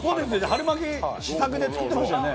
春巻き試作で作ってましたよね